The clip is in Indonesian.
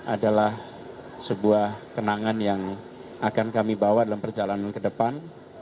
adalah sebuah kenangan yang akan kami bawa dalam perjalanan ke depan